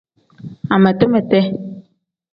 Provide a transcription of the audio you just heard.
Amete-mete.